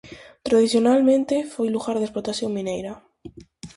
Tradicionalmente foi lugar de explotación mineira.